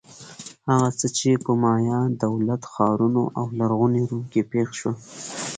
هغه څه چې په مایا دولت-ښارونو او لرغوني روم کې پېښ شول.